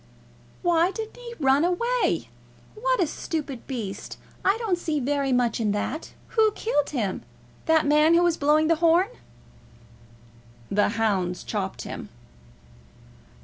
"Why didn't he run away? What a stupid beast! I don't see so very much in that. Who killed him? That man that was blowing the horn?" "The hounds chopped him."